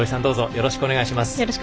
よろしくお願いします。